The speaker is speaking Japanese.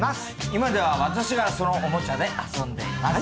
今じゃ私がそのおもちゃで遊んでいます。